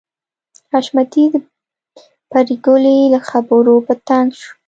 حشمتي د پريګلې له خبرو په تنګ شو